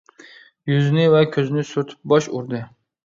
يۈزىنى ۋە كۆزىنى سۈرتۈپ باش ئۇردى.